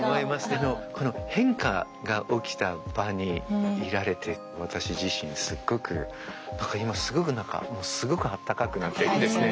変化が起きた場にいられて私自身すっごく何か今すごく何かすごくあたたかくなっていいですね。